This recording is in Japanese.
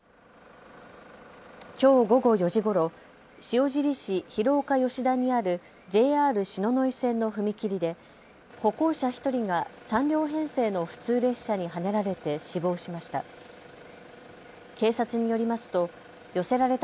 きょう午後４時ごろ、塩尻市広丘吉田にあるＪＲ篠ノ井線の踏切で歩行者１人が３両編成の普通列車にはねられて死亡しました。